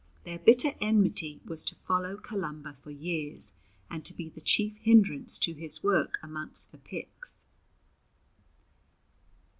Their bitter enmity was to follow Columba for years, and to be the chief hindrance to his work amongst the Picts.